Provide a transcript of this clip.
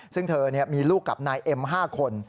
ซึ่งเธอมีลูกกับนายเอ็ม๕คน